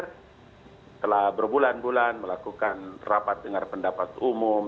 setelah berbulan bulan melakukan rapat dengar pendapat umum